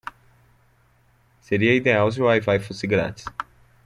Seria ideal se o WiFi fosse grátis.